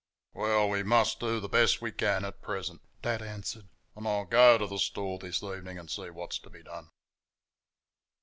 "Well, we must do the best we can at present," Dad answered, "and I'll go to the store this evening and see what is to be done."